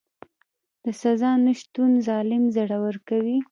د سزا نشتون ظالم زړور کوي.